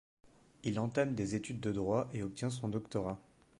Il entame des études de droits et obtient son doctorat.